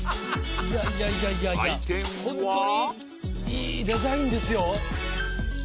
いいデザインですよ。